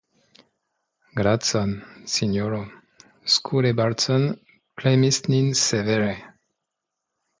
Gracon, sinjoro; Skule Bardsson premis nin severe!